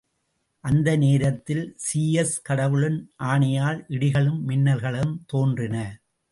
அந்த நேரத்தில் சீயஸ் கடவுளின் ஆணையால், இடிகளும் மின்னல்களும் தோன்றின.